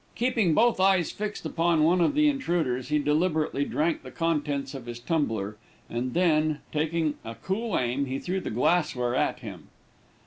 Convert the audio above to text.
Keeping both eyes fixed upon one of the intruders, he deliberately drank the contents of his tumbler, and then, taking a cool aim, he threw the glass ware at him.